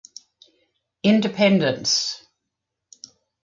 Independence!